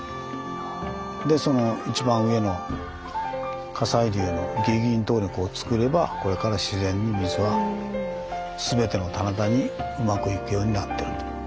でその一番上の火砕流のギリギリのとこでこうつくればこれから自然に水が全ての棚田にうまく行くようになってると。